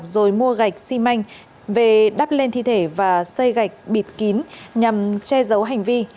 rồi mua gạch xi măng về đắp lên thi thể và xây gạch bịt kín nhằm che giấu hành vi